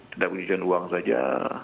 tidak penjijikan uang saja